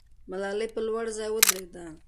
ملالۍ په لوړ ځای ودرېده.